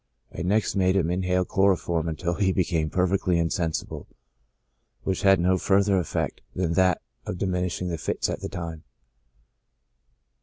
I next made him inhale chloroform until he became perfectly insensible, which had no further effect than that of diminishing the fits at the time.